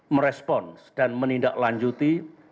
merespons dan menindaklanjuti